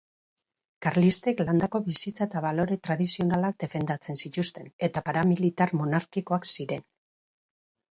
Karlistek landako bizitza eta balore tradizionalak defendatzen zituzten, eta paramilitar monarkikoak ziren.